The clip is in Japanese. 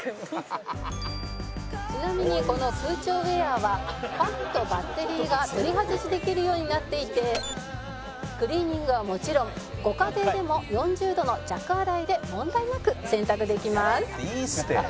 ちなみにこの空調ウェアはファンとバッテリーが取り外しできるようになっていてクリーニングはもちろんご家庭でも４０度の弱洗いで問題なく洗濯できます